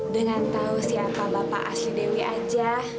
dengan tahu siapa bapak asli dewi aja